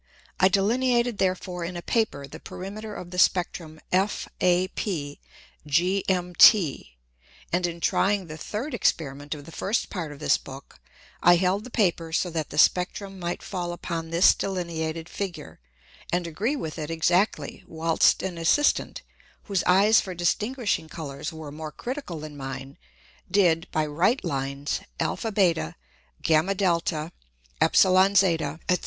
I delineated therefore in a Paper the Perimeter of the Spectrum FAP GMT, and in trying the third Experiment of the first Part of this Book, I held the Paper so that the Spectrum might fall upon this delineated Figure, and agree with it exactly, whilst an Assistant, whose Eyes for distinguishing Colours were more critical than mine, did by Right Lines [Greek: ab, gd, ez,] &c.